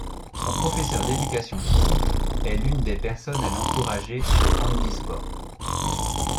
Son professeur d'éducation physique est l'une des personnes à l'encourager au handisport.